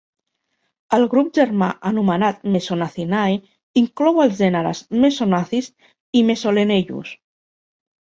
El grup germà anomenat Mesonacinae inclou els gèneres Mesonacis i Mesolenellus.